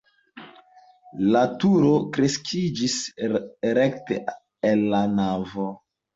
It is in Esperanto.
La turo kreskiĝis rekte el la navo.